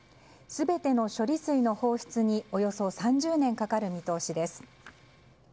全ての処理水の放出におよそ３０年かかる見通しです。